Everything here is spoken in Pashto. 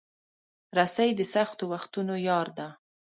رسۍ د سختو وختونو یار ده.